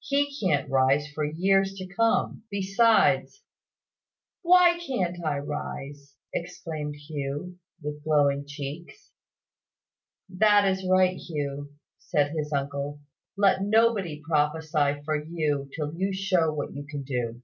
"He can't rise for years to come. Besides " "Why can't I rise?" exclaimed Hugh, with glowing cheeks. "That is right, Hugh," said his uncle. "Let nobody prophesy for you till you show what you can do."